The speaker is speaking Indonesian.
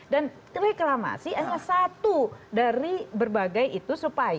dan reklamasi hanya satu dari berbagai itu